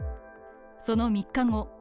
その３日後